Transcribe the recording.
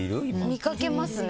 見かけますね。